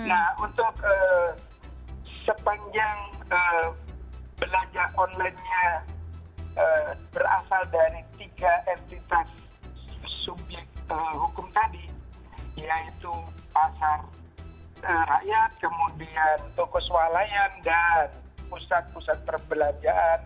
nah untuk sepanjang belanja online nya berasal dari tiga entitas subjek hukum tadi yaitu pasar rakyat kemudian tokos walayan dan pusat pusat perbelanjaan